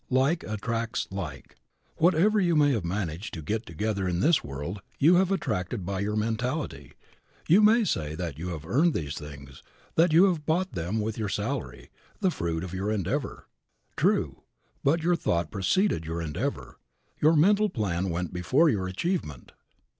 Like attracts like. Whatever you may have managed to get together in this world you have attracted by your mentality. You may say that you have earned these things, that you have bought them with your salary, the fruit of your endeavor. True, but your thought preceded your endeavor. Your mental plan went before your achievement.